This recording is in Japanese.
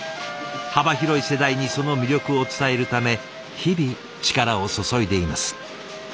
幅広い世代にその魅力を伝えるため日々力を注いでいます。